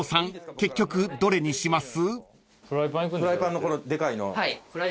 結局どれにします？］